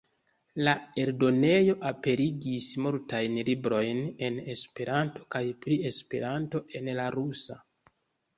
La eldonejo aperigis multajn librojn en Esperanto kaj pri Esperanto en la rusa.